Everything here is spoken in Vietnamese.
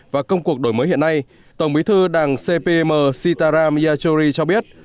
và công cuộc đổi mới hiện nay tổng bí thư đảng cpm sitaram yachori cho biết